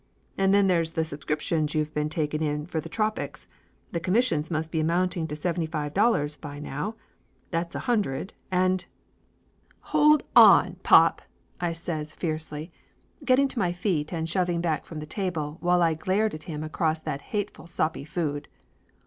"And then there's the subscriptions you've been taking in for Tropics; the commissions must be amounting to seventy five dollars by now. That's a hundred, and " 48 Laughter Limited "Hold on, pop!" I says fiercely, getting to my feet and shoving back from the table while I glared at him across that hateful soppy food.